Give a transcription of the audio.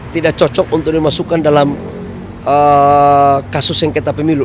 tidak cocok untuk dimasukkan dalam kasus sengketa pemilu